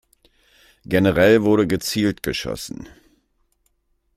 Generell wurde gezielt geschossen.